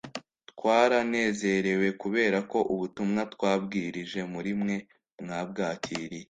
twaranezerewe kubera ko ubutumwa twabwirije muri mwe mwabwakiriye